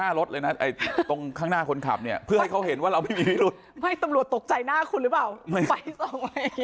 น้าลดเลยนะไอตังคางหน้าคนขับเนี่ยเพื่อให้เขาเห็นว่าเราไม่มีลูกไม่ตะบลวตกใจหน้าคุณหรือเปล่าไม่ฟัง